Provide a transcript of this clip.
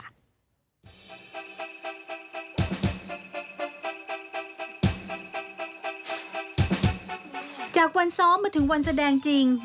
จากวันซ้อมมาถึงวันแสดงจริง